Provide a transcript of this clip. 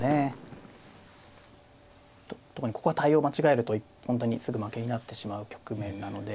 特にここは対応間違えると本当にすぐ負けになってしまう局面なので。